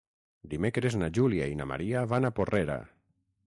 Dimecres na Júlia i na Maria van a Porrera.